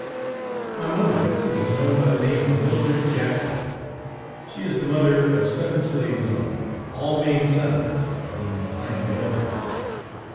My mother was known by the name of Milldred Jackson. She is the mother of seven slaves only, all being sons, of whom I am the eldest.